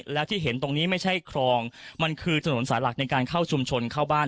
แล้วที่เห็นตรงนี้ไม่ใช่คลองมันคือถนนสายหลักในการเข้าชุมชนเข้าบ้าน